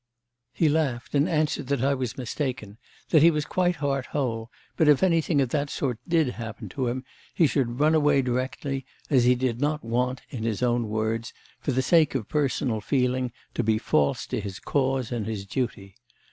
He laughed, and answered that I was mistaken, that he was quite heart whole, but if anything of that sort did happen to him, he should run away directly, as he did not want, in his own words, for the sake of personal feeling, to be false to his cause and his duty.